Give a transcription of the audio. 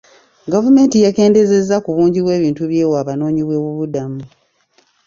Gavumenti yakendeeza ku bungi bw'ebintu by'ewa abanoonyi b'obubuddamu.